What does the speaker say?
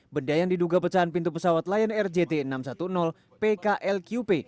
benda yang diduga pecahan pintu pesawat lion air jt enam ratus sepuluh pklqp